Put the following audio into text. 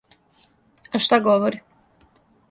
А шта говори?